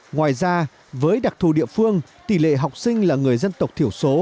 ngoài ra với đặc thù địa phương tỷ lệ học sinh là người dân tộc thiểu số